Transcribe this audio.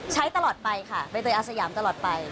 ใช้ตลอดไปค่ะใบเตยอาสยามตลอดไป